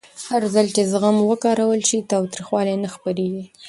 هرځل چې زغم وکارول شي، تاوتریخوالی نه خپرېږي.